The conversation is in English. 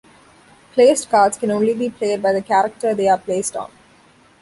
Placed cards can only be played by the character they are placed on.